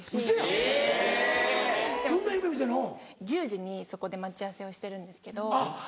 １０時にそこで待ち合わせをしてるんですけど。